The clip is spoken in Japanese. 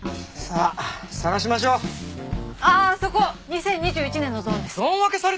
ああそこ２０２１年のゾーンです。